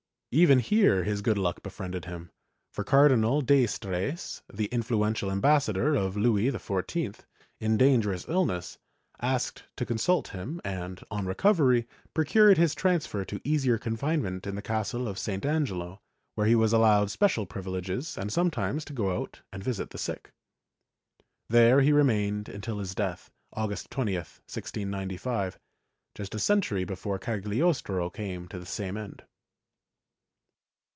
Even here his good luck befriended him, for Cardinal d'Estrees, the influential ambassador of Louis XIV, in dangerous illness, asked to consult him and, on recovery, procured his transfer to easier confinement in the castle of St. Angelo, where he was allowed special privileges and sometimes to go out and visit the sick. There he remained until his death, August 20, 1695 — just a century before Cagliostro came to the same end.